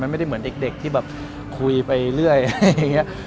มันไม่ได้เหมือนเด็กที่แบบคุยไปเรื่อยอะไรอย่างนี้